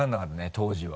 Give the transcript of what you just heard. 当時は。